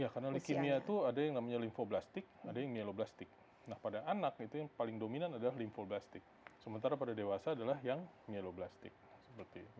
ya karena leukemia itu ada yang namanya lymphoblastik ada yang myeloblastik nah pada anak itu yang paling dominan adalah lymphoblastik sementara pada dewasa adalah yang myeloblastik